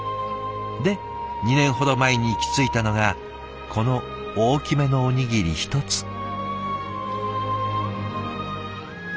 で２年ほど前に行き着いたのがこの大きめのおにぎり１つ。